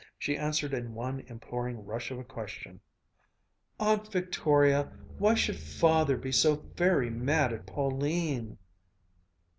She answered in one imploring rush of a question, "Aunt Victoria, why should Father be so very mad at Pauline?"